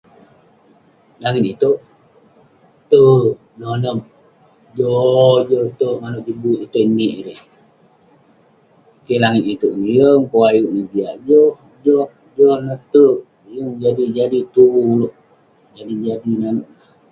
Langit iteuk, tek, nonep. Joh joh tek maneuk jin buik itei nik erei. Keh langit iteuk neh, yeng pun ayuk neh jiak. Joh joh joh neh tek, yeng jadi jadi tuvu neuk, yeng jadi jadi neuk neh.